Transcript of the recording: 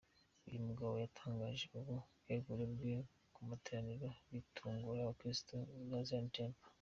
Uyu mugabo yatangaje ubu bwegure bwe mu materaniro , bitungura Abakristu ba Zion Temple.